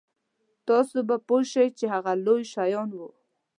تاسو به پوه شئ چې هغه لوی شیان وو.